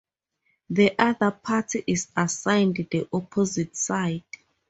The other party is assigned the opposite side.